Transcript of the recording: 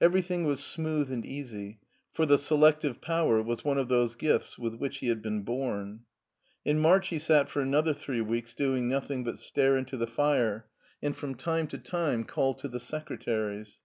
Everything was smooth and easy, for the selective power was one of those gifts with which he had been born. In March he sat for another three weeks doing noth ing but stare into the fire, and from time to time call to the secretaries.